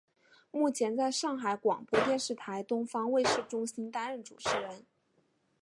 目前在上海广播电视台东方卫视中心担任主持人。